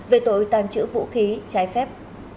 về tội tàn trữ vũ khí trái phép